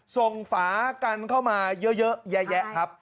ฝากันเข้ามาเยอะแยะครับ